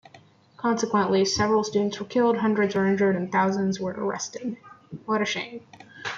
Consequently, several students were killed, hundreds were injured and thousands were arrested.